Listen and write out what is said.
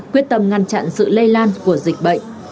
quyết tâm ngăn chặn sự lây lan của dịch bệnh